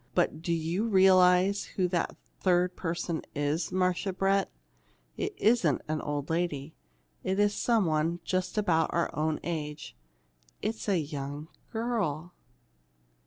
"But do you realize who that third person is, Marcia Brett? It isn't an old lady; it's some one just about our own age it's a young girl!"